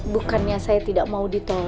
bukannya saya tidak mau ditolak